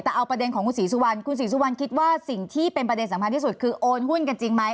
แต่เอาประเด็นของคุณศรีสุวรรณคุณศรีสุวรรณคิดว่าสิ่งที่เป็นประเด็นสำคัญที่สุดคือโอนหุ้นกันจริงไหม